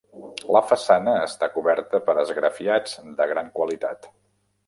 La façana està coberta per esgrafiats de gran qualitat.